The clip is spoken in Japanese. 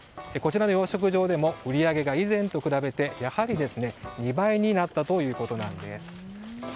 こちらの養殖場でも売り上げが以前と比べて２倍になったということなんです。